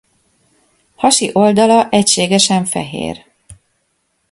Hasi oldala egységesen fehér.